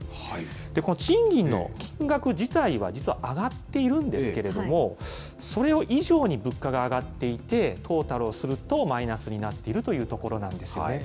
この賃金の金額自体は、実は上がっているんですけれども、それ以上に物価が上がっていて、トータルをするとマイナスになっているというところなんですよね。